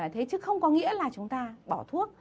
thế chứ không có nghĩa là chúng ta bỏ thuốc